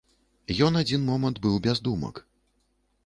Ён адзін момант быў без думак.